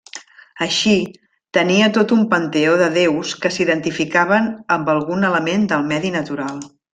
Així, tenia tot un panteó de déus que s'identificaven amb algun element del medi natural.